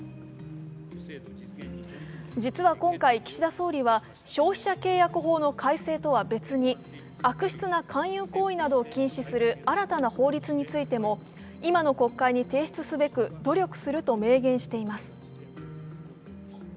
実は今回、岸田総理は消費者契約法の改正とは別に悪質な勧誘行為などを禁止する新たな法律についても今の国会に提出すべく努力すると明言しています。